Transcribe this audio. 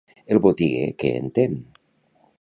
El botiguer què entén?